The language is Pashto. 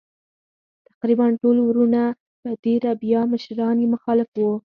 تقریباً ټول وروڼه په تېره بیا مشران یې مخالف وو.